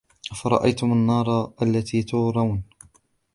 أفرأيتم النار التي تورون